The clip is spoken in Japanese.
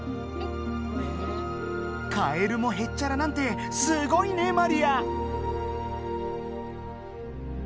カエルもへっちゃらなんてすごいねマリア！